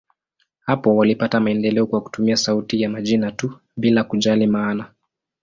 Hapo walipata maendeleo kwa kutumia sauti ya majina tu, bila kujali maana.